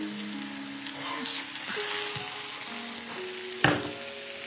よいしょ。